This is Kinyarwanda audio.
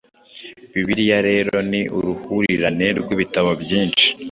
Bibiliya rero ni uruhurirane rw‟ibitabo byinshi,